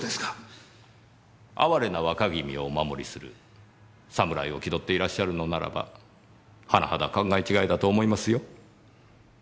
哀れな若君をお守りする侍を気取っていらっしゃるのならばはなはだ考え違いだと思いますよ。